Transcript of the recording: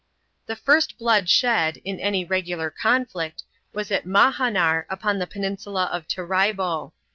The first blood shed, in any regular conflict, was at Mahanar, upoD the peninsula of TaTai\>oo.